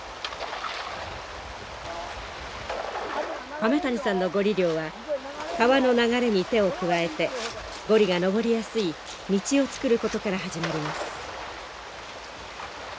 亀谷さんのゴリ漁は川の流れに手を加えてゴリが上りやすい道を作ることから始まります。